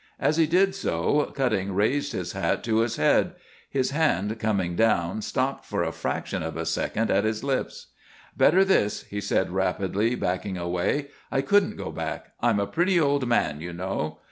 As he did so Cutting raised his hat to his head; his hand, coming down, stopped for a fraction of a second at his lips. "Better this," he said, rapidly, backing away, "I couldn't go back. I'm a pretty old man, you know."